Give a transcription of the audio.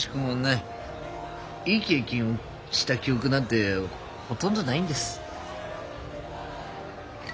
いい経験をした記憶なんてほとんどないんです。